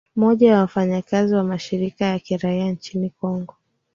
moja wa wafanyakazi wa mashirika ya kiraia nchini kongo